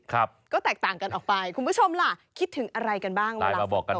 ครับก็แตกต่างกันออกไปคุณผู้ชมล่ะคิดถึงอะไรกันบ้างเวลาบอกกัน